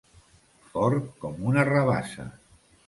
Fort com una rabassa.